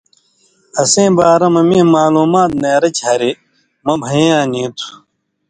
اسیں بارہ مہ مِیں معلوم نېرہ چھی ہریۡ مہ بھیَیں یاں نی تُھو۔